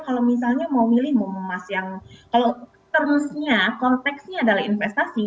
kalau misalnya mau milih mau emas yang kalau terms nya konteksnya adalah investasi